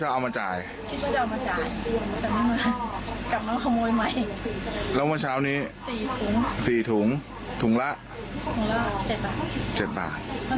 วันนี้ขโมยเท่านี้แล้ววันหน้าล่ะไม่รู้ว่าอะไรจะหา